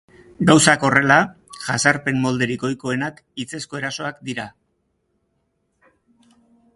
Gauzak horrela, jazarpen molderik ohikoenak hitzezko erasoak dira.